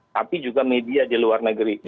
tapi juga media di luar negeri